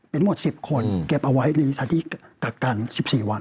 เป็นหมด๑๐คนเก็บเอาไว้ในสถานที่กักกัน๑๔วัน